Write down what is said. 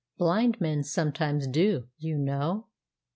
"_Blind men sometimes do, you know!